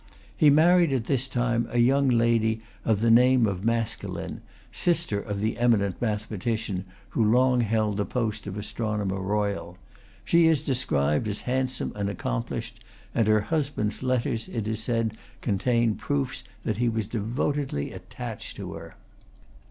He married at this time a young lady of the name of Maskelyne, sister of the eminent mathematician, who long held the post of Astronomer Royal. She is described as handsome and accomplished; and her husband's letters, it is said, contain proofs that he was devotedly attached to her.